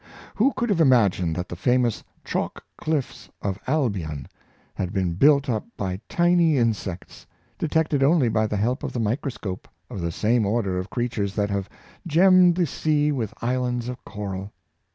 Who could have imagined that the famous *' chalk clifls of Albion " had been built up by tiny in sects— detected only by the help of the microscope — of the same order of creatures that have gemmed the sea with islands of coral